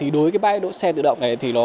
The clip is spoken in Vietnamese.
đối với bãi đỗ xe tự động này nó rất là lớn